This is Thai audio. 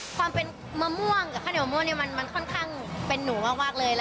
ความเป็นมะม่วงในข้าวเหนี่ยมะม่วงมันค่อนข้างมีหนูมากเลย